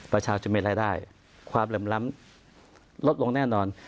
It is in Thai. ประชาชนจะมีรายได้ความเหลื่อมล้ำลดลงแน่นอน